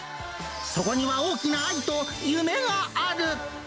そこには大きな愛と夢がある。